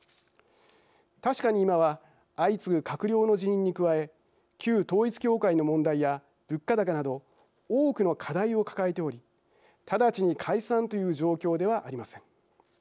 確かに今は相次ぐ閣僚の辞任に加え旧統一教会の問題や物価高など多くの課題を抱えており直ちに解散という状況ではありません。